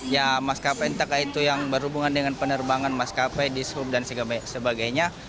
ya maskapai entah itu yang berhubungan dengan penerbangan maskapai di sub dan sebagainya